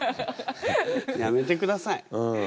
やめてください。